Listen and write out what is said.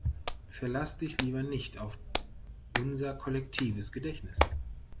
Verlass dich lieber nicht auf unser kollektives Gedächtnis!